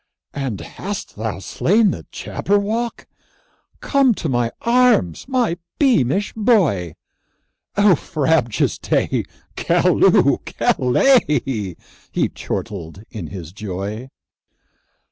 "And hast thou slain the Jabberwock? Come to my arms, my beamish boy! O frabjous day! Callooh! Callay!" He chortled in his joy.